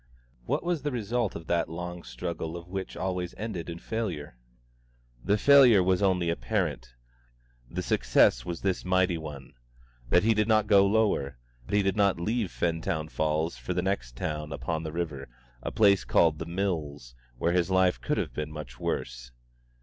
What was the result of that long struggle of his which always ended in failure? The failure was only apparent; the success was this mighty one that he did not go lower, he did not leave Fentown Falls for the next town upon the river, a place called The Mills, where his life could have been much worse.